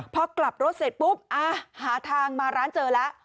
พอกลับรถเสร็จปุ๊บหาทางมาร้านเจอแล้ว